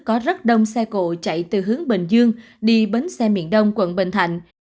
có rất đông xe cộ chạy từ hướng bình dương đi bến xe miền đông quận bình thạnh